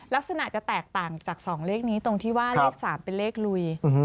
ลักษณะจะแตกต่างจาก๒เลขนี้ตรงที่ว่าเลข๓เป็นเลขลุย